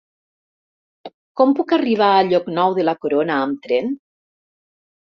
Com puc arribar a Llocnou de la Corona amb tren?